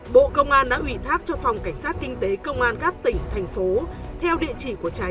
bộ công an đã ủy thác cho phòng cảnh sát kinh tế công an các tỉnh thành phố theo địa chỉ của trái